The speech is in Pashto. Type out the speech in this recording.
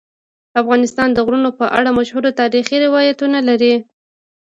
افغانستان د غرونه په اړه مشهور تاریخی روایتونه لري.